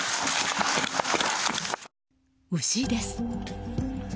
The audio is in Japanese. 牛です。